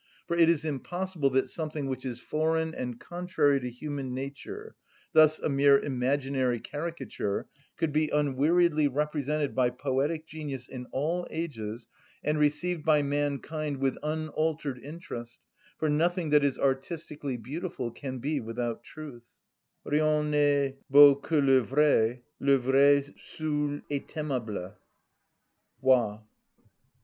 For it is impossible that something which is foreign and contrary to human nature, thus a mere imaginary caricature, could be unweariedly represented by poetic genius in all ages, and received by mankind with unaltered interest; for nothing that is artistically beautiful can be without truth:— "Rien n'est beau que le vrai; le vrai seul est aimable." —BOIL.